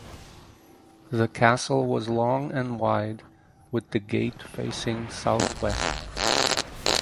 The castle was long and wide with the gate facing southwest.